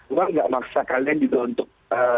memang tidak maksa kalian untuk